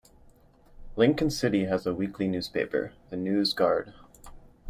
Lincoln City has a weekly newspaper, "The News Guard".